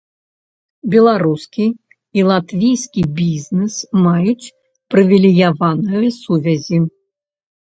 Беларускі і латвійскі бізнэс маюць прывілеяваныя сувязі.